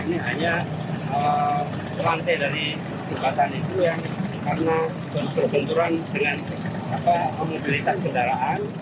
ini hanya lantai dari jembatan itu ya karena berbenturan dengan mobilitas kendaraan